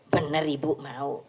bener ibu mau